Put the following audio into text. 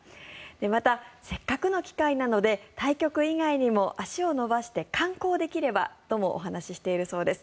また、せっかくの機会なので対局以外にも足を延ばして観光できればともお話ししているそうです。